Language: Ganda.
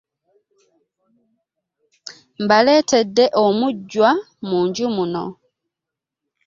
Mbaleetedde omujjwa mu nju muno.